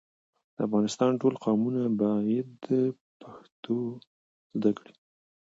د افغانستان ټول قومونه بايد پښتو زده کړي.